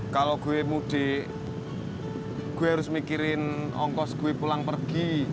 kalau gue mudik gue harus mikirin ongkos gue pulang pergi